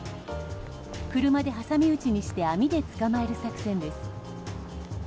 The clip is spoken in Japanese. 車で挟み撃ちにして網で捕まえる作戦です。